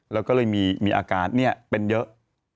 แล้วก็เลยมีอากาศเนี่ยเป็นเยอะ